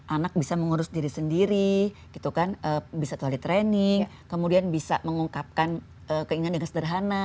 anak bisa mengurus diri sendiri gitu kan bisa toilet training kemudian bisa mengungkapkan keinginan dengan sederhana